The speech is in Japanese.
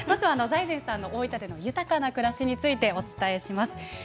財前さんの大分での豊かな暮らしについてお伝えします。